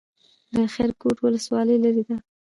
د خیرکوټ ولسوالۍ لیرې ده